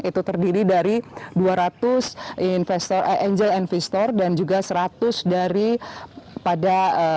itu terdiri dari dua ratus angel investor dan juga seratus dari pada